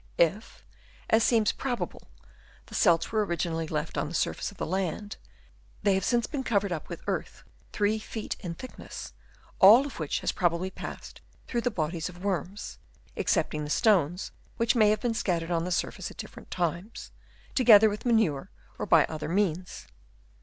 If, as seems pro bable, the celts were originally left on the surface of the land, they have since been covered up with earth 3 feet in thickness, all of which has probably passed through the bodies of worms, excepting the stones which may have been scattered on the surface at different times, together with manure or by other means.